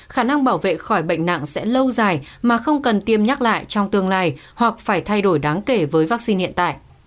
khả năng bảo vệ khỏi bệnh nặng sẽ lâu dài mà không cần tiêm nhắc lại trong tương lai hoặc phải thay đổi đáng kể với vaccine hiện tại